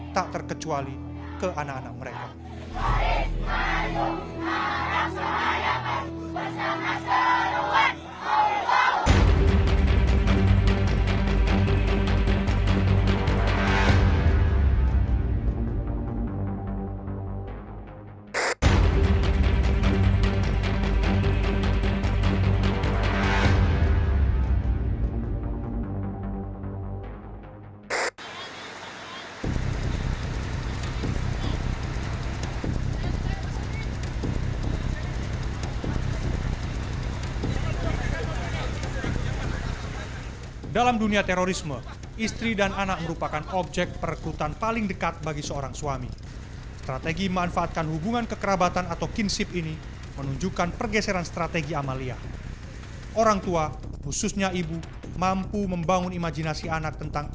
tak terkecuali ke anak anak mereka